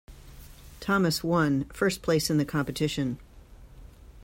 Thomas one first place in the competition.